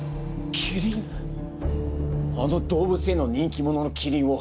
あの動物園の人気者のキリンを。